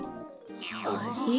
あれ？